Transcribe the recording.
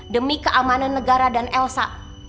demi keamanan negara dan elsa